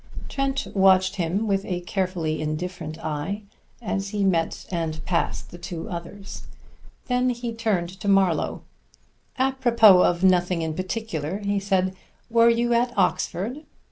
Trent watched him with a carefully indifferent eye as he met and passed the two others. Then he turned to Marlowe. "Apropos of nothing in particular," he said, "were you at Oxford?"